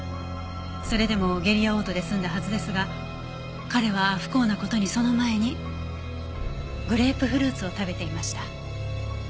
それでも下痢や嘔吐で済んだはずですが彼は不幸な事にその前にグレープフルーツを食べていました。